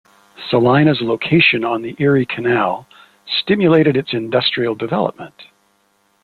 Salina's location on the Erie Canal stimulated its industrial development.